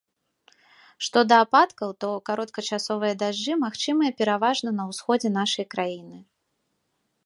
Што да ападкаў, то кароткачасовыя дажджы магчымыя пераважна на ўсходзе нашай краіны.